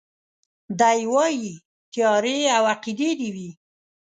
دی وايي تيارې او عقيدې دي وي